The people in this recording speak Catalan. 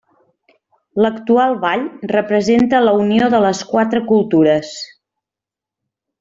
L’actual ball representa la unió de les quatre cultures.